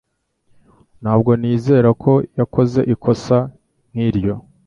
Ntabwo nizera ko yakoze ikosa nkiryo